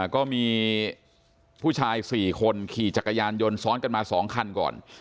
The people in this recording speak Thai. ก็มีผู้ชาย๔คนขี่จักรยานยนต์ซ้อนกันมา๒คันก่อน